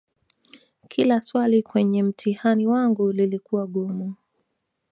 kila swali kwenye mtihani wangu lilikuwa gumu